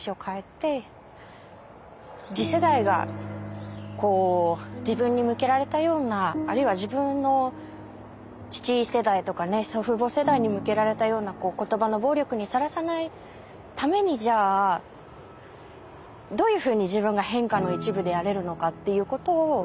次世代が自分に向けられたようなあるいは自分の父世代とか祖父母世代に向けられたような言葉の暴力にさらさないためにじゃあどういうふうに自分が変化の一部であれるのかっていうことを考える。